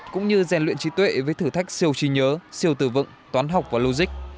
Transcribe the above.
cũng như rèn luyện trí tuệ với thử thách siêu trí nhớ siêu tử vọng toán học và logic